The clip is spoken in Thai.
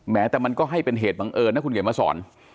แต่มันก็ให้เป็นเหตุบังเอิญนะคุณเขียนมาสอน